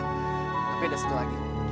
tapi ada satu lagi